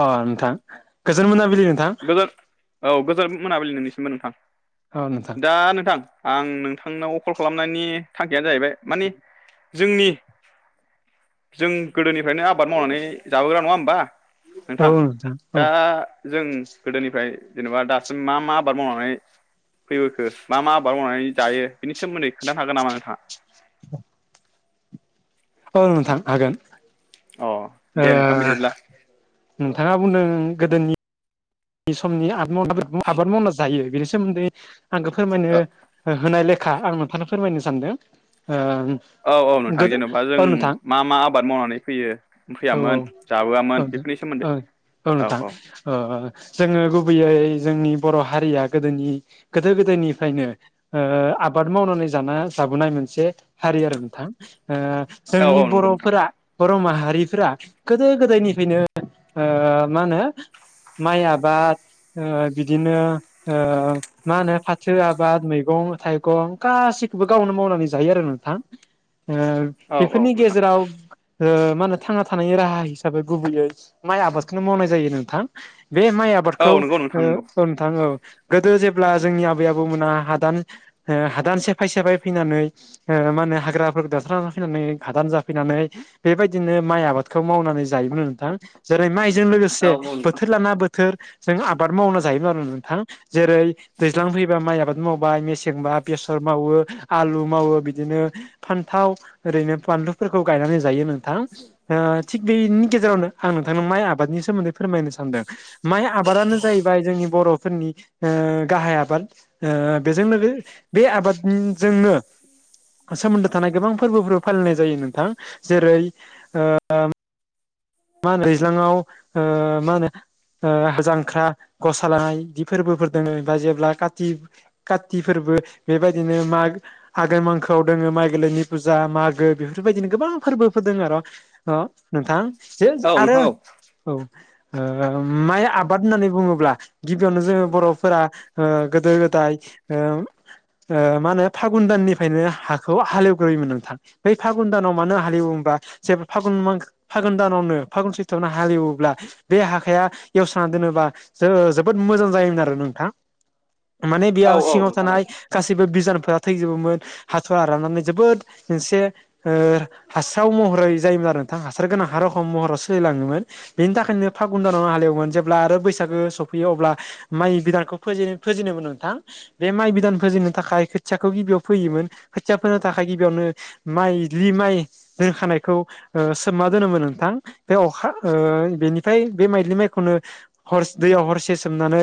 अ नोंथां गोजोन मोनाबिलि नोंथां। [unintelligible] औ गोजोन मोनाबिलि नोंनिसिमबो नोंथां औ नोंथां दा नोंथां आं नोंथांनाव कल खालामनायनि थांखियानो जाहैबाय मानि जोंनि जों गोदोनिफ्रायनो आबाद मावनानै जाबोग्रा नङा होमबा औ नोंथां औ दा जों गोदोनिफ्राय जेनेबा दासिम मा मा आबाद मावनानै फैबोखो मा मा आबाद मावनानै जायो बेनि सोमोन्दै खोन्थानो हागोन नामा नोंथाङा? [unintelligible] ओं नोंथां हागोन। अ दे ओ नोंथां बिदिब्ला नोंथाङा बुंदों गोदोनि नि समनि आ [unintelligible] आबाद मावना जायो बेनि सोमोन्दै आंखो फोरमायनो ओ होनाय लेखा आं नोंथांनो फोरमायनो सानदों ओम औ औ नोंथां जेनेबा जों मा मा आबाद मावनानै फैयो औ औ फैयामोन औ जाबोआमोन बेफोरनि नोंथां सोमोन्दै। ओं औ नोंथां ओ जोङो गुबैयै जोंनि बर' हारिया गोदोनि गोदो गोदायनिफ्रायनो ओ आबाद मावनानै जाना जाबोनाय मोनसे हारि आरो नोंथां ओ औ औ जोंनि नंगौ नोंथां बर'फोरा बर' माहारिफोरा गोदो गोदायनिफ्रायनो ओ मा होनो माइ आबाद ओ बिदिनो ओ मा होनो फाथो आबाद मैगं थाइगं गासैखौबो गावनो मावनानै जायो आरो नोंथां ओ औ औ बेफोरनि नोंथां गेजेराव ओ मा होनो थांना थानायनि राहा हिसाबै गुबैयै माइ आबादखौनो मावनाय जायो नोंथां बे माइ आबादखौ औ नंगौ नोंथां ओ नंगौ ओम थां औ गोदो जेब्ला जोंनि आबै आबौ मोना हादान ओ हादान सेफाय सेफाय फैनानै ओ मा होनो हाग्राफोरखौ दानस्रांना लाखिनानै हादान जाफैनानै बेबायदिनो माइ आबादखौ मावनानै जायोमोन नोंथां जेरै माइजों औ लोगोसे औ नोंथां बोथोर लाना बोथोर जों आबाद मावना जायोब्लानो नोंथां जेरै दैज्लां फैबा माइ आबाद मावबाय, मेसेंबा बेसर मावो आलु मावो बिदिनो फान्थाव ओरैनो बानलुफोरखौ गायनानै जायो नोंथां थिग बेनि गेजेरावनो आं नोंथांनाव माइ आबादनि सोमोन्दै फोरमायनो सानदों। माइ आबादानो जाहैबाय जोंनि बर'फोरनि ओ गाहाय आबाद ओ बेजों लो बे आबादजोंनो सोमोन्दो थानाय गोबां फोरबोफोरबो फालिनाय जायो नोंथां जेरै- ओ मा होनो ओ दैज्लाङाव ओ माहोनो ओ जांख्रा गसा लानाय बिदि फोरबोफोरबो दङ बा जेब्ला काति काति फोरबो बेबायदिनो माग आगोन मांखोआव दोङो माइ गोलैनि फुजा मागो बेफोरबायदिनो गोबां फोरबोफोर दङ आर' अ नोंथां औ नोंथां औ औ ओ माइ आबाद होननानै बुङोब्ला गिबियावनो जोङो बर'फोरा ओ गोदो गोदाय ओ ओ मा होनो फागुन दाननिफ्रायनो हाखौ हालेवग्रोयोमोन नोंथां बै फागुन दानाव मानो हालेवो होमबा, जेबा फागुन मां फागुन दानावनो फागुन सैथ्र'वानो हालेवोब्ला बे हाखाया एवस्रना दोनोबा जो- जोबोद मोजां जायोमोन आरो नोंथां माने औ बेयाव औ सिङाव नोंथां थानाय गासैबो बिजानुफोरा थैजोबोमोन हाथ'वा राननानै जोबोद मोनसे ओ हासाराव महरै जायोमोन आरो नोंथां। हासार गोनां हा रखमाव महराव सोलिलाङोमोन बेनि थाखायनो फागुन दानाव हालेवोमोन जेब्ला आरो बैसागो सफैयो अब्ला माइ बिदानखौ फोजेन फोजेनो मोन नोंथां बे माइ बिदान फोजिनो थाखाय खोथियाखौ गिबियाव फोयोमोन खोथिया फोनो थाखाय गिबियावनो माइज्लि माइ रोंखानायखौ ओ सोमना दोनोमोन नोंथां। बे अखा ओ बेनिफ्राय बे माइलि माइखौनो हर दैयाव हरसे सोमनानै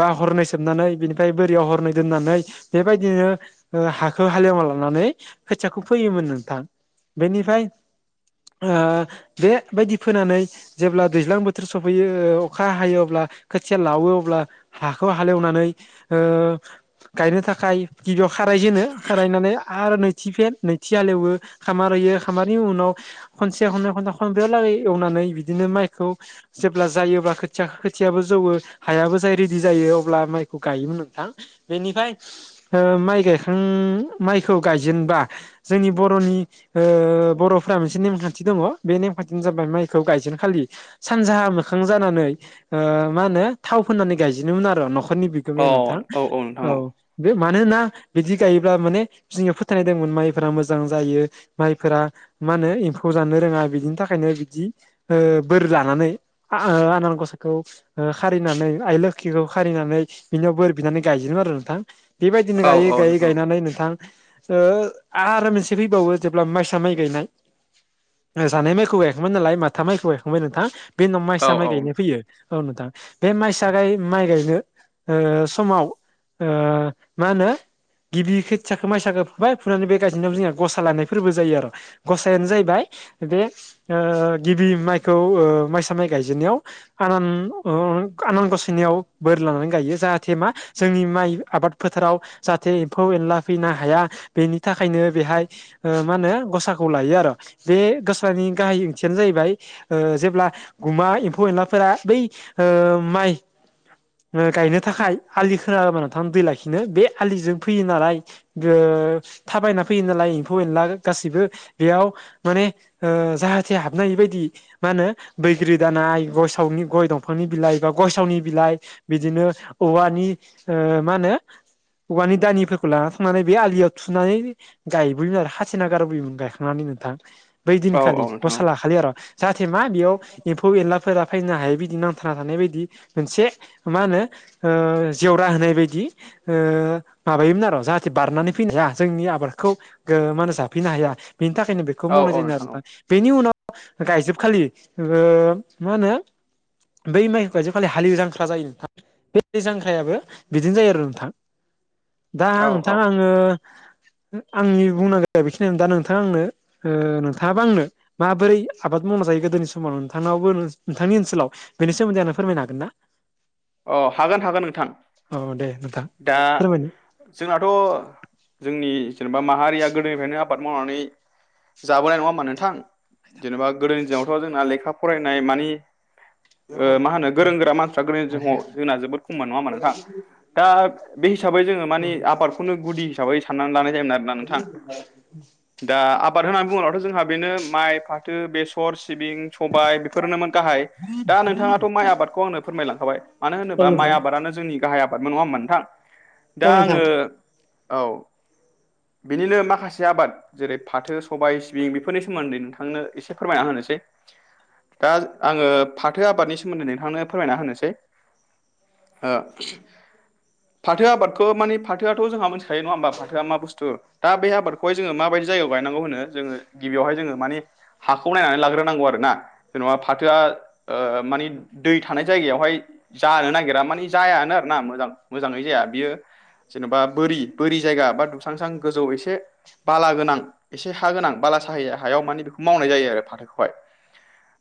बा हरनै सोबनानै, बिनिफ्राय बोरियाव हरनै दोननानै बेबायदिनो हाखौ हालेवना लानानै खोथियाखौ फैयोमोन नोंथां। बेनिफ्राय ओ बेबायदि फोनानै जेब्ला दैज्लां बोथोर सफैयो अखा हायो अब्ला खोथिया लावो अब्ला हाखौ हालेवनानै ओ गायनो थाखाय गिबियाव खारायजेनो खारायनानै आरो नैथि फेन नै थिहालेवो खामार होयो खामारनि उनाव खनसे खननै खनथाम खनब्रै हालागै एवनानै बिदिनो माइखौ जेब्ला जायोब्ला खोथिया खोथियाबो जौवो हायाबो जाय रेडि जायो अब्ला माइखौ गायोमोन नोंथां बेनिफ्राय ओ माइ गायखां माइखौ गायजेनबा जोंनि बर'नि बर'फोरा मोनसे मोनसे नेमखान्थि दङ बे नेमखान्थियानो जाबाय माइखौ गायजेन खालि सानजाहा मोखां जानानै ओ मा होनो थाव फोननानै गायजेनोमोन आरो न'खरनि औ गमिया अ औ नोंथां नोंथां औ। बे मानोना बिदि गायोब्ला माने जोंया फोथायनाय दंमोन माइफोरा मोजां जायो। माइफोरा मा होनो एम्फौ जानो रोङा बिदिनि थाखायनो बिदि ओ बोर लानानै आ आनान गसायखौ ओ खारिनानै आइ लोखिखौ खारिनानै बिनियाव बोर बिनानै गायजोेनदोंमोन आरो नोंथां। बेबायदिनो औ गायै औ गायै नोंथां गायनानै नोंथां ओ हो आरो मोनसे फैबावो जेब्ला माइसा माइ गायनाय जानाय माइखौ गायखांमोन नालाय माथा माइखौ गायखांबाय नोंथां बे उनाव औ औ माइसा औ माइ गायनाय नोंथां फैयो। औ नोंथां बे माइसा गाय माइ गायनो समाव ओ मा होनो गिबि खोथियाखौ माइसााख फुबाय फुनानै बे गायजेननायाव जोंहा गसा लानायफोरबो जायो आरो। गसायानो जाहैबाय बे गिबि माइखौ माइसा माइ गायजेननायाव आनान आनान गसायनियाव बोर लानानै गायो जाहाथे मा जोंनि माइ आबाद फोथाराव जाहाथे एम्फौ एनला फैनो हाया बेनि थाखायनो बेहाय मा होनो गसाखौ लायो आरो बे गस्रानि गाहाय ओंथियानो जाहैबाय जेब्ला गुमा एम्फौ एनलाफोरा बै माइ गायनो थाखाय आलि खोनाोबा नोंथां दै लाखिनो बे आलिजों फैयो नालाय थाबायना फैयो नालाय एम्फौ एनला गासिबो बेयाव माने जाहाथे हाबनाय बायदि मा होनो बैग्रि दानाय गयसावनि गय दंफांनि बिलाइ बा गय सावनि बिलाइ बिदिनो औवानि मा होनो औवानि दानिफोरखौ लाना थांनानै बे आलियाव थुनानै गायबोयोमोन आरो खाथिना गारबोयोमोन गायखांनानै नोंथां। बैदिन औ खाालि औ नोंथां गसा लाखाालि आरो। जाहाथे मा बेयाव एम्फौ एनलाफोरा फैनो हायै बिदि नांथाबना थानाय बायदि मोनसे मा होनो जेवरा होनाय बायदि माबायोमोन आरो जाहाथे बारनानै फैनो जोंनि आबादखौ मान होनो जाफैनो हाया बेनि थाखायनो बेखौ मावनाय जायो आरो दा। बेनि उनाव गायजोबखालि मा होनो बै माइफ जो खालि हाललि जांख्रा जायो नोंथां। बे दै दै जांख्रायाबो बिदिनो जायो आरो नोंथां। दा औ औ औ नोंथां आंङो आंनि बुंनांगिर बेखिनियानो दा नोंथ नोंथाङा आंनो नोंथांङाबा आंनो माबोरै आबाद मावना जायो गोदोनि समाव नोंथांनावो नोंथांनि ओनसोलाव बेनिोमोन्दै आंना फोरमायनो हागोना। अ हागोन हागोन नोंथां औ दे नोंथां दा फोरमायनो जोंनाथ' जोंनि जेनेबा माहारिया गोदोनिफ्रायनो आबाद मावनानै जाबोनाय नङा होमा नोंथां। जेनेबा गोदोनि दिनावथ' जोंना लेखा फरायनाय मानि ओ मा होनो गोरों गोरा मानसिफ्रा गोदोनि‌ जोंना जोबोर खम नङा होमबा नोंथां दा बे हिसाबै जोङो मानि आबादखौ बे खौनो गुदि हिसाबै साननानै लानाय जायोमोन आरो। [inaudible] दा आबाद होननानै बुंङोब्लाथ' जोंहा बेनो माइ, फाथो, बेसर, सिबिं, सबाय बेफोरनोमोन गाहाय। दा नोंथाङाथ' माइ आबादखौ आंनो फोरमायलांखाबाय मानो औ होनोबा माइ नोंथां आबादानो जोंनि गाहाय आबाद। नंङा नोंथां औ दा नोंथां आंङो औ। बिनिनो माखासे आबाद। जेरै फाथो सबाय सिबिं बेफोरनि सोमोन्दै नोंथांनो एसे फोरमायना होनोसै। दा आंङो फाथो आबादनि सोमोन्दै नोंथांनो फोरमायना होनोसै। ओ फाथो आबादखौ माने फाथोआथ' जोंहा मोनथिखायो नङा होमबा फाथोआ मा बुस्थु। दा बे आबादखौहाय जोङो माबायदि जायगायाव गायनांगौ होनो जोङो गिबियावहाय जोङो मानि हाखौ नायनानै लाग्रोनांगौ आरोना। जेन'बा फाथोआ ओ मानि दै थानाय जायगायावहाय जानो नागिरा मानि जायानो आरो ना मोजां मोजांङै जाया बियो जेनबा बोरि बोरि जायगा बा दुस्रांस्रां गोजौ एसे बाला गोनां एसे हा गोनां बाला साहाय हायाव माने बेखौ मावनाय जायो आरो फाथोखौहाय।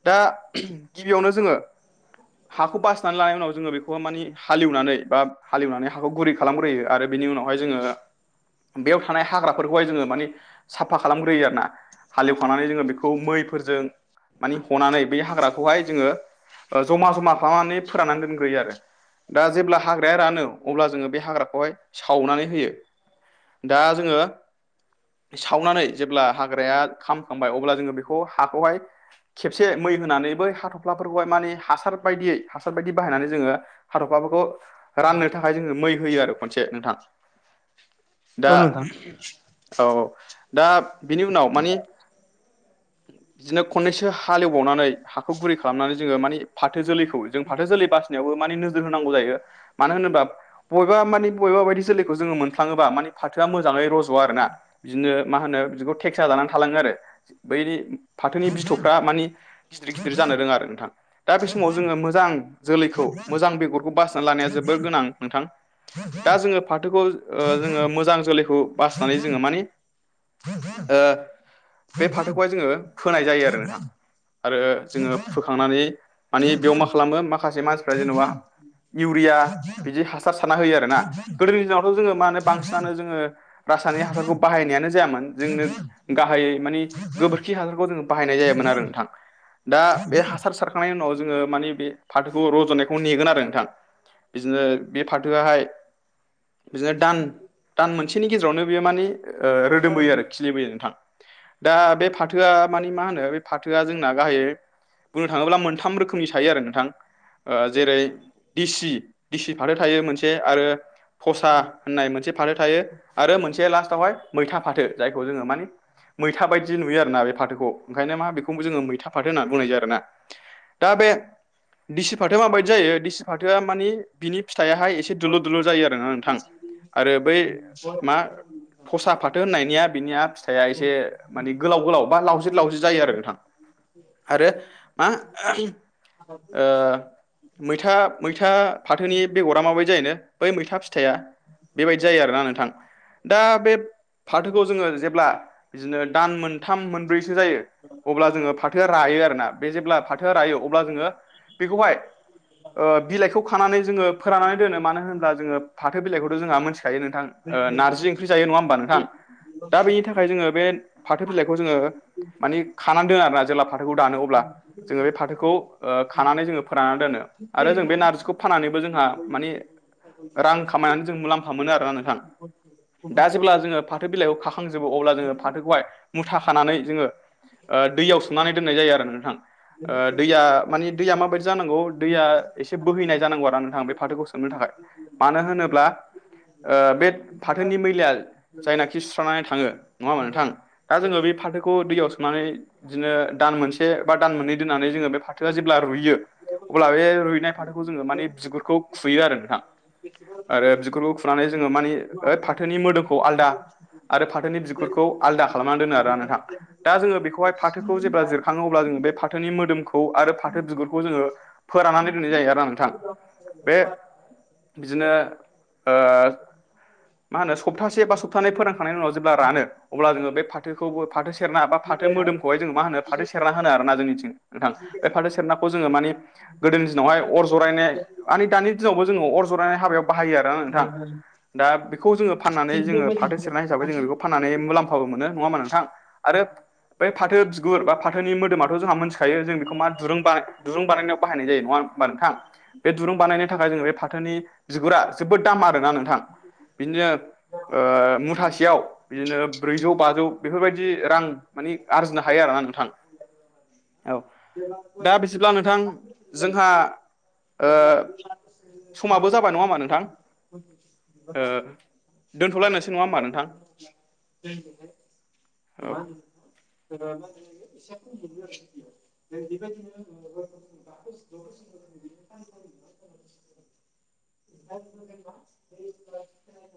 दा गिबियावनो जोङो हाखौ बासि नानै लानाय उनाव जोङो बेखौ मानि हालिवनानै बा हालेवनानै हाखौ गुरै खालामग्रोयो आरो बेनि उनावहाय जोङो बेयाव थानाय हाग्राफोरखौहाय जोङो मानि‌ साबफा खालामग्रोयो आरो ना हालेवखांनानै जोङो बेखौ मैफोरजों माने हनानै बे हाग्राखौहाय जोङो ओ जमा जमा खालामनानै फोराननानै दोनग्रोयो आरो। दा जेब्ला हाग्राया रानो अब्ला जोङो बे हाग्राखौहाय सावनानै होयो। दा जोङो सावनानै जेब्ला हाग्राया खामखांबाय अब्ला जोङो बेखौ हाखौहाय खेबसे मै होनानै बै हाथ'फ्लाफोरखौहाय मानि हासार बायदियै हासार बायदि बाहायनानै जोङो हाथ'फ्लाफोरखौ राननो थाखाय जोङो मै होयो आरो। खनसे नोंथां औ दा औ दा बिनि उनाव मानि बिदिनो खननैसो हालेवबावनानै हाखौ गुरै खालामनानै जोङो मानि फाथो जोलैखौ जों फाथो जोलै बासिनायावबो मानि नोजोर होनांगौ जायो मानो होनोबा बबेबा मानि बबेबा बायदि जोलैखौ जोङो मोनफ्लाङोबा मानि फाथोआ मोजाङै र'जआ आरो ना। बिदिनो मा होनो बिदिखौ टेक्सा जानानै थालाङो आरो बै फाथोनि बिथ'फ्रा मानि गिदिर गिदिर जानो रोङा आरो नोंथां। दा बे समाव जोङो मोजां जोलैखौ मोजां बेगरखौ बासिना लानाया जोबोर गोनां। नां नोंथां दा जोङो फाथोखौ ओ नोंथां जोङो मोजां जोलैखौ बासिनानै जोङो मानि ओ बे फाथोखौहाय जोङो फोनाय जायो आरो नोंथां। आरो जोङो फोखांनानै मानि बेयाव मा खालामो मा माखासे मानसिफ्रा जेन'बा इउरिया बिदि हासा सार सारना होयो आरो ना गोदोनि दिनावथ' जोङो मानो बांसिनानो जोङो रासायनिक हासारखौ बाहायनायानो जायामोन। जोंनो गाहायै मानि गोबोरखि हासारखौ जोङो बाहायनाय जायोमोन आरो नोंथां। दा बे हासार सारखांनायनि उनाव जोङो मानि बे फाथोखौ रज'नायखौ नेगोन आरो नोंथां बिदिनो बे फाथोआहाय बिदिनो दान दान मोनसेनि गेजेरावनो बेयो मानि ओ रोदोमबोयो आरो खि खिलिबोयो नोंथां दा बे फाथोआ मानि मा होनो बे फाथोआ जोंना गाहायै बुंनो थाङोब्ला मोनथाम रोखोमनि थायो आरो नोंथां। ओ जेरै दिसि दिसि फाथो थायो मोनसे आरो फसा होननाय मोनसे फाथो थायो आरो मोनसे लास्टआवहाय मैथा फाथो जायखौ जोङो माने मैथा बायदि नुयो आरोना बे फाथोखौ ओंखायनो मा बेखौबो जोङो मैथा फाथो होननानै बुंनाय जायो आरो ना। दा बे दिसि फाथोआ माबायदि जायो दिसि फाथोआ मानि बिनि फिथाइयाहाय एसे एसे दुलुर दुलुर जायो आरोना नोंथां आरो बै मा फसा फाथो होननायनिया बिनिया फिथाइआ एसे मानि गोलाव गोलाव बा लावज्रिद लावज्रि जायो आरो नोंथां आरो मा ओ मैथा मैथा फाथोनि बेगरा माबायदि जायो नो बै मैथा फिथाइया बेबायदि जायो आरोना नोंथां। दा बे फाथोखौ जोङो जेब्ला बिदिनो दान मोन मोनथाम मोनब्रैसो जायो अब्ला जोङो फाथोआ रायो आरोना बे जेब्ला फाथोआ रायो अब्ला जोङो बेखौहाय ओ बिलाइखौ खानानै जोङो फोराननानै दोनो मानो होनोब्ला जोङो फाथो बिलाइखौथ' जोंहा मोन्थिखायो नोंथां। ओ नार्जि ओंख्रि जायो नङा होमबा नोंथ। ां दा बेनि थाखाय जोङो बे फाथो बिलाइखौ जोङो मानि खानानै दोनो आरोना जेब्ला फाथोखौ दानो अब्ला। जोङो बे फाथोखौ ओ खानानै जोङो फोराननानै दोनो आरो जों बे नार्जि‌ खौ फाननानैबो जोंहा मानि रां खामायनानै जों मुलाम्फा मोनो आरोना नोंथां। दा जेब्ला जोङो फाथो बिलाइखौ खाखांजोबो अब्ला जोङो फाथोखौहाय मुथा खानानै जोङो ओ दैयाव सोमनानै दोननाय जायो आरो नोंथां। ओ दैया मानि दैया माबायदि जानांगौ दैया एसे बोहैनाय जानांगौ आरो नोंथां बे फाथोखौ सोमनो थाखाय। मानो होनोब्ला बे ओ फाथोनि मैलाया जायनाखि सुस्रानानै थाङो नङा होमबा नोंथां। दा जोङो बे फाथोखौ दैयाव सोमनानै बिदिनो दान मोनसे बा दान मोननै दोननानै जोङो बे फा थोआ जेब्ला रुयो अब्ला बे रुइनाय फाथोखौ जोङो माने बिगुरखौ खुयो आरो नोंथां। आरो बिगुरफोरखौ खुनानै जोङो माने ओ फाथोनि मोदोमखौ आलदा आरो फाथोनि बिगुरखौ आलदा खालामनानै दोनो आरोना नोंथां। दा जोङो बेखौहाय फाथो खौ जेब्ला जिरखाङोब अल्बा जोङो बे फाथोनि मोदोमखौ खौ आरो फाथो बिगुरखौ जोङो फोराननानै दोननाय जायो आरोना नोंथां। बे बिदिनो ओ मा होनो सप्तासे बा सप्तानै फोरोंखांनायनि उनाव जेब्ला रानो अब्ला जोङो बे फाथोखौ फाथो सेरना बा फाथो मोदोमखौहाय जों मा होनो फाथो सेरना होनो आरोना जोंनिथिं। नोंथां बे फाथो सेरनाखौ जोङो माने गोदोनि दिनावहाय अर जरायनाय मानि दानि दिनावबो जोङो अर जरायनाय हाबायाव बाहायो आरो ना नोंथां। दा बेखौ जोङो फाननानै जोङो फाथो सेरनाय हिसाबै जोङो बेखौ फाननानै मुलाम्फाबो मोनो नङा होमबा नोंथां। आरो बै फाथो बिगुर बा फाथोनि मोदोमाथ' जोंहा मोन्थि खायो जों बेखौ मा दुरुं दुरुं बानायनायाव बाहायनाय जायो नङा होमबा नोंथां। बे दुरुं बानायनो थाखाय जोङो फाथोनि बिगुरा जोबोद दाम आरोना नोंथां। बिदिनो ओ मुथासेयाव बिदिनो ब्रैजौ बाजौ बेफोरबायदि रां मानि आरजिनो हायो आरोना नोंथां‌। औ दा बिसेब्ला नोंथां जोंहा ओ [inaudible] समाबो जाबाय नङा होमबा नोंथां? [inaudible] ओ दोन्थ'लायनोसै नङा होमबा नोंथां? औ [inaudible] [inaudible] [inaudible] [inaudible]